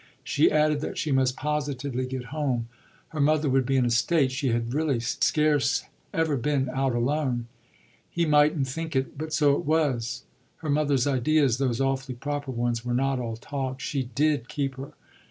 She added that she must positively get home; her mother would be in a state: she had really scarce ever been out alone. He mightn't think it, but so it was. Her mother's ideas, those awfully proper ones, were not all talk. She did keep her!